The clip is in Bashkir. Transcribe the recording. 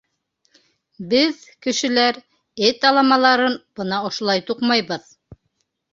Беҙ, кешеләр, эт аламаларын бына ошолай туҡмайбыҙ.